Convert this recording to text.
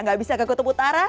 nggak bisa ke kutub utara